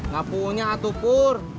gak punya atupur